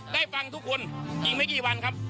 ได้ฟังทุกคนอีกไม่กี่วันครับ